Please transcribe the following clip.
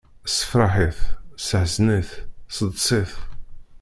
Sefreḥ-it, seḥzen-it, seḍs-it.